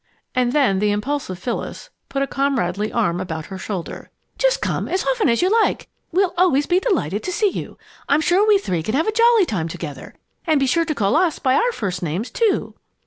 And then the impulsive Phyllis put a comradely arm about her shoulder. "Just come as often as you like. We'll always be delighted to see you. I'm sure we three can have a jolly time together. And be sure to call us by our first names, too."